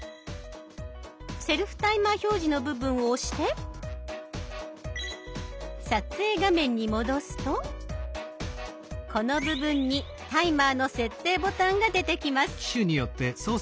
「セルフタイマー表示」の部分を押して撮影画面に戻すとこの部分にタイマーの設定ボタンが出てきます。